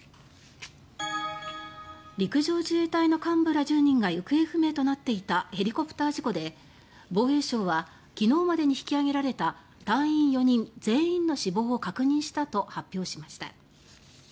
陸上自衛隊の幹部ら１０人が行方不明となっていたヘリコプター事故で防衛省は昨日までに引きあげられた隊員４人全員の死亡を確認したと発表しました。